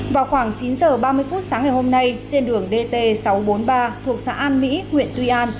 vào khoảng chín h ba mươi phút sáng ngày hôm nay trên đường dt sáu trăm bốn mươi ba thuộc xã an mỹ huyện tuy an